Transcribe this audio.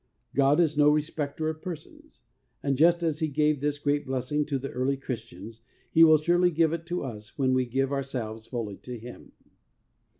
God is no respecter of persons ; and just as He gave this great blessing to the early Christians, He will surely give it to us when we give ourselves fully to Him.